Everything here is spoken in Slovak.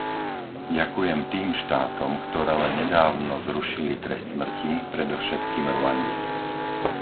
Ďakujem tým štátom, ktoré len nedávno zrušili trest smrti, predovšetkým Rwande.